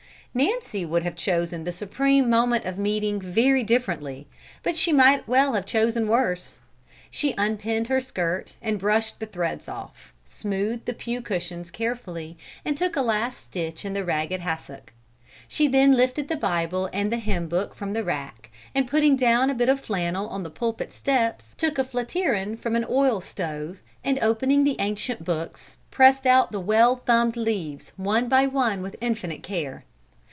Nancy would have chosen the supreme moment of meeting very differently, but she might well have chosen worse. She unpinned her skirt and brushed the threads off, smoothed the pew cushions carefully, and took a last stitch in the ragged hassock. She then lifted the Bible and the hymn book from the rack, and putting down a bit of flannel on the pulpit steps, took a flatiron from an oil stove, and opening the ancient books, pressed out the well thumbed leaves one by one with infinite care.